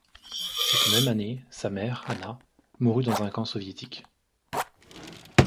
Cette même année, sa mère, Anna, mourut dans un camp soviétique.